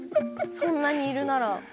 そんなにいるなら。